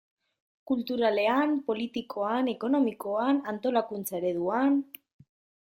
Kulturalean, politikoan, ekonomikoan, antolakuntza ereduan...